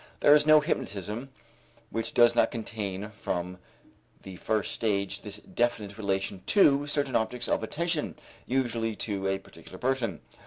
There is no hypnotism which does not contain from the first stage this definite relation to certain objects of attention, usually to a particular person.